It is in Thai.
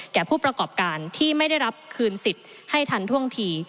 ผู้ประกอบการที่ไม่ได้รับคืนสิทธิ์ให้ทันท่วงที